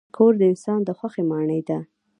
کور د انسان د خوښۍ ماڼۍ ده.